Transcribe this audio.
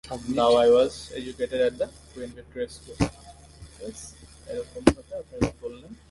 Dawai was educated at the Queen Victoria School.